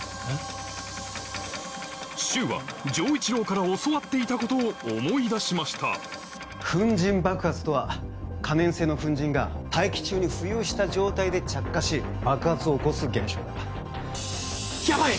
柊は丈一郎から教わっていたことを思い出しました粉塵爆発とは可燃性の粉塵が大気中に浮遊した状態で着火し爆発を起こす現象だヤバい！